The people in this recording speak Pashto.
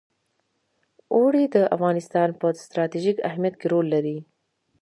اوړي د افغانستان په ستراتیژیک اهمیت کې رول لري.